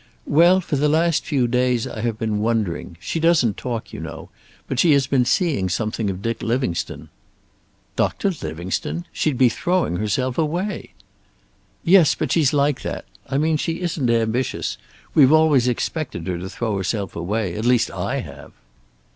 "Well, for the last few days I have been wondering. She doesn't talk, you know. But she has been seeing something of Dick Livingstone." "Doctor Livingstone! She'd be throwing herself away!" "Yes, but she's like that. I mean, she isn't ambitious. We've always expected her to throw herself away; at least I have."